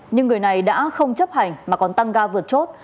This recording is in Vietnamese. nhưng người này đã không chấp hành mà còn tăng ga vượt chốt